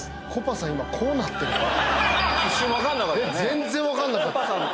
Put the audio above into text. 全然わかんなかった。